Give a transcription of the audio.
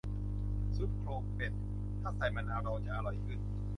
ซุปโครงเป็ด ถ้าใส่มะนาวดองจะอร่อยขึ้น